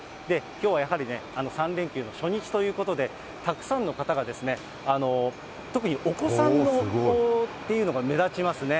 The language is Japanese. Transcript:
きょうはやはりね、３連休の初日ということで、たくさんの方が特にお子さんが目立ちますね。